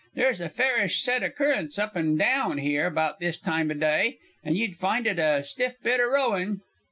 There's a fairish set o' currents up and daown 'ere about this time o' dye, and ye'd find it a stiff bit o' rowing."